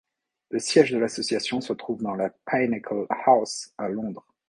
Le siège de l’association se trouve dans la Pinnacle House, à Londres.